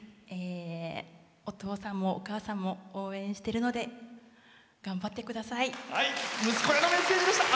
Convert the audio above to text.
お父さんも、お母さんも応援してるので頑張ってください。